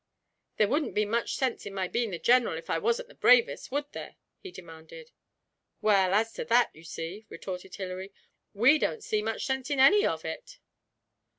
'There wouldn't be much sense in my being the General if I wasn't the bravest, would there?' he demanded. 'Well, as to that, you see,' retorted Hilary, 'we don't see much sense in any of it.'